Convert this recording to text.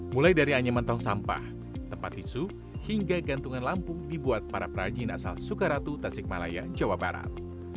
mulai dari anyaman tong sampah tempat tisu hingga gantungan lampu dibuat para perajin asal sukaratu tasikmalaya jawa barat